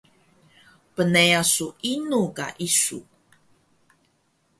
Pneeyah su inu ka isu?